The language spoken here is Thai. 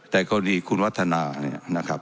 แต่เขาดีคุณวัฒนานะครับ